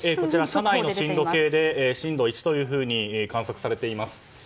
社内の震度計で震度１と観測されています。